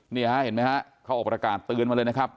เนี่ยฮะเห็นไหมฮะเขาออกประกาศตื้นมาเลยนะครับ